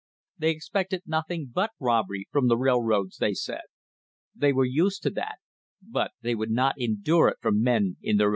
They expected nothing but robbery from the railroads, they said. They were used to that; but they would not endure it from men in their own business.